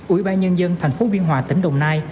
ủy ban nhân dân tp biên hòa tỉnh đồng nai